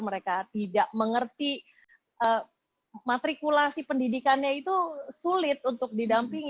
mereka tidak mengerti matrikulasi pendidikannya itu sulit untuk didampingi